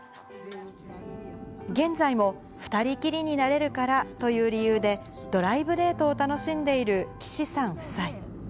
現在も、２人きりになれるからという理由で、ドライブデートを楽しんでいる岸さん夫妻。